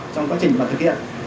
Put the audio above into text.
trong quá trình thực hiện